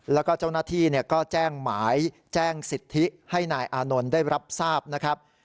แล้วก็เจ้าหน้าที่ก็แจ้งหมายแจ้งสิทธิให้นายอานนท์ได้รับทราบนะครับ